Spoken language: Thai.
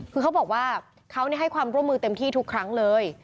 คือเขาบอกว่าเขาให้ความร่วมมือเต็มที่ทุกครั้งเลย